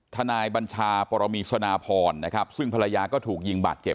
ทนายบัญชาปรมีศนพรซึ่งภรรยาก็ถูกยิงบัตรเก็บ